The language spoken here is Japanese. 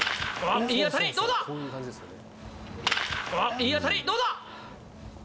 いい当たり、どうだ？